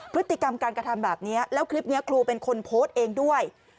พฤติกรรมการกระทำแบบนี้แล้วคลิปนี้ครูเป็นคนโพสต์เองด้วย